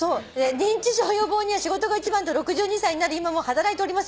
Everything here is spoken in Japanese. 認知症予防には仕事が一番と６２歳になる今も働いております」